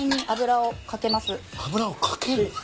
油を掛ける？